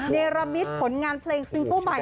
เนรมิตผลงานเพลงซิงค์โปร์ใหม่